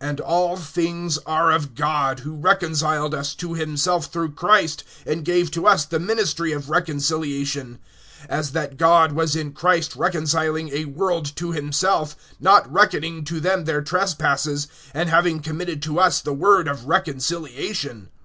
(18)And all things are of God, who reconciled us to himself through Christ, and gave to us the ministry of reconciliation; (19)as that God was in Christ reconciling a world to himself, not reckoning to them their trespasses, and having committed to us the word of reconciliation.